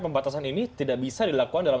pembatasan ini tidak bisa dilakukan dalam